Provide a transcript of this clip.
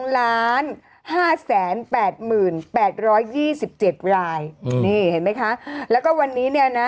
๕๘๘๒๗รายนี่เห็นไหมคะแล้วก็วันนี้เนี่ยนะ